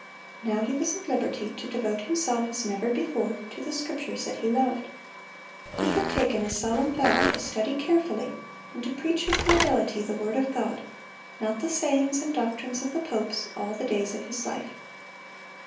Now he was at liberty to devote himself, as never before, to the Scriptures that he loved. He had taken a solemn vow to study carefully and to preach with fidelity the word of God, not the sayings and doctrines of the popes, all the days of his life.